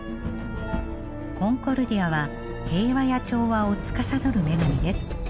コンコルディアは平和や調和をつかさどる女神です。